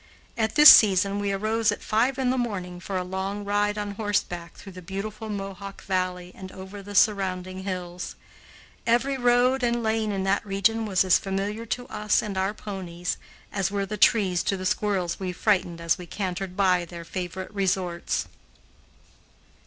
At this season we arose at five in the morning for a long ride on horseback through the beautiful Mohawk Valley and over the surrounding hills. Every road and lane in that region was as familiar to us and our ponies, as were the trees to the squirrels we frightened as we cantered by their favorite resorts.